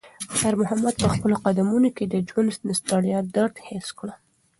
خیر محمد په خپلو قدمونو کې د ژوند د ستړیا درد حس کړ.